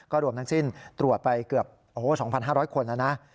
ก็รวมทั้งสิ้นตรวจไป๒๕๐คนแล้วนะ